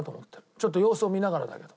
ちょっと様子を見ながらだけど。